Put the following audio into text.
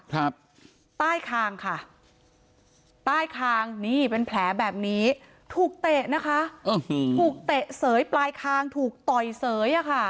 ครับใต้คางค่ะใต้คางนี่เป็นแผลแบบนี้ถูกเตะนะคะถูกเตะเสยปลายคางถูกต่อยเสยอ่ะค่ะ